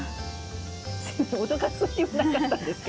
脅かす気はなかったんですけど。